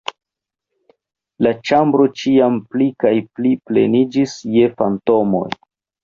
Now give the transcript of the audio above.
La ĉambro ĉiam pli kaj pli pleniĝis je fantomoj.